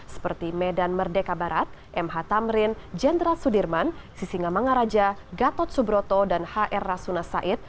seperti medan merdeka barat mh tamrin jenderal sudirman sisingamangaraja gatot subroto dan hr rasuna said